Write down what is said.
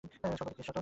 সর্বাধিক টেস্ট শতক